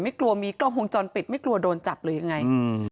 กลัวมีกล้องวงจรปิดไม่กลัวโดนจับหรือยังไง